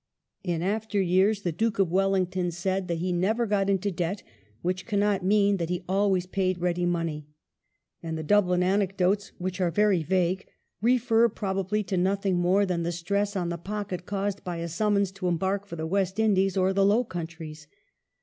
In after years the Duke of Wellington said that he never got into debt, which cannot mean that he always paid ready money ; and the Dublin anecdotes, which are very vague, refer probably to nothing more than the stress on the pocket caused by a summons to embark for the West Indies or the Low Coimtries.